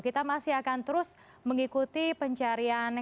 kita masih akan terus mengikuti pencarian